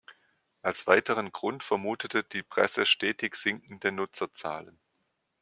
Als weiteren Grund vermutete die Presse stetig sinkende Nutzerzahlen.